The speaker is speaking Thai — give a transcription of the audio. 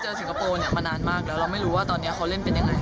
สิงคโปร์เนี่ยมานานมากแล้วเราไม่รู้ว่าตอนนี้เขาเล่นเป็นยังไง